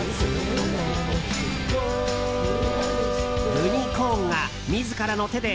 ユニコーンが自らの手で